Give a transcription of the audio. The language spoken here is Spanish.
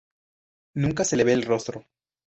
Nunca se le ve el rostro.